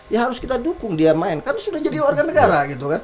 ya harus kita dukung dia main kan sudah jadi warga negara